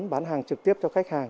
bán hàng trực tiếp cho khách hàng